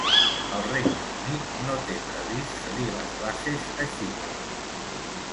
El Regne unit no té previst cedir les bases a Xipre.